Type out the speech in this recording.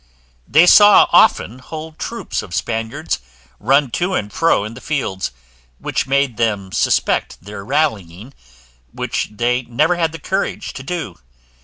They saw often whole troops of Spaniards run to and fro in the fields, which made them suspect their rallying, which they never had the courage to do.